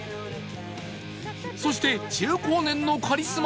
そして中高年のカリスマ